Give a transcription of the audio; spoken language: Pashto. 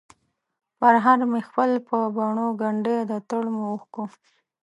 پرهر مې خپل په بڼووګنډی ، دتړمو اوښکو،